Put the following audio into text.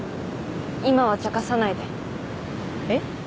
今はちゃかさないでえっ？